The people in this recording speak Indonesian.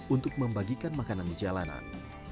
untuk membagikan makanan di jalanan